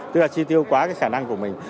tức là chi tiêu quá cái khả năng của mình